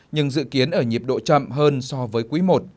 nhưng dự kiến ở nhịp độ chậm hơn so với quý i